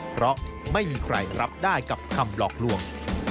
เพราะไม่มีใครรับได้กับคำหลอกลวง